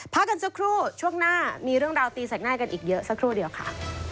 พักกันสักครู่ช่วงหน้ามีเรื่องราวตีแสกหน้ากันอีกเยอะสักครู่เดียวค่ะ